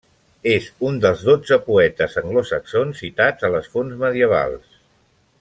És un dels dotze poetes anglosaxons citats a les fonts medievals.